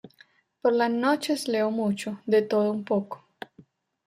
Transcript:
Por las noches leo mucho, de todo un poco...